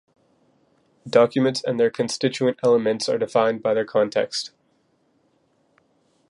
Documents and their constituent elements are defined by their context.